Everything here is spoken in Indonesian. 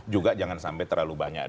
juga jangan sampai terlalu banyak